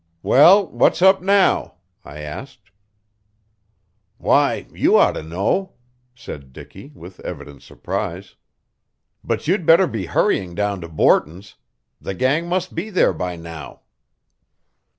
"Well, what's up now?" I asked. "Why, you ought to know," said Dicky with evident surprise. "But you'd better be hurrying down to Borton's. The gang must be there by now."